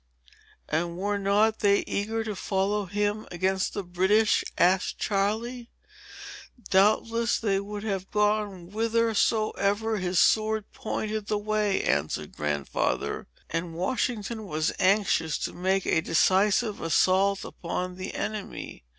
"And were not they eager to follow him against the British?" asked Charley. "Doubtless they would have gone whithersoever his sword pointed the way," answered Grandfather; "and Washington was anxious to make a decisive assault upon the enemy.